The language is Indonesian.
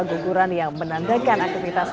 guguran yang menandakan aktivitas